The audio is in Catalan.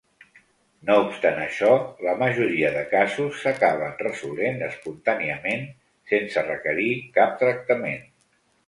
No obstant això, la majoria de casos s'acaben resolent espontàniament, sense requerir cap tractament.